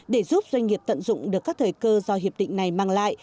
để giúp doanh nghiệp tận dụng được các thời cơ do hiệp định này mang lại